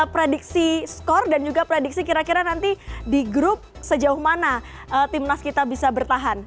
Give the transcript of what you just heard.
prediksi skor dan juga prediksi kira kira nanti di grup sejauh mana timnas kita bisa bertahan